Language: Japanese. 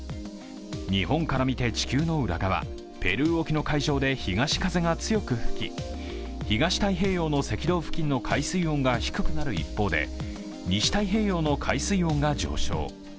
日本から見て地球の裏側、ペルー沖の海上で東風が強く吹き、東太平洋の赤道付近の海水温が低くなる一方で、西太平洋の海水温が上昇。